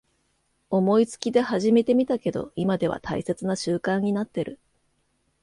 思いつきで始めてみたけど今では大切な習慣になってる